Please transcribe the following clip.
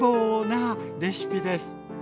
なレシピです！